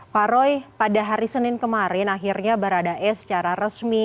pak roy pada hari senin kemarin akhirnya baradae secara resmi